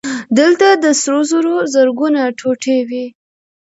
دلته د سرو زرو زرګونه ټوټې وې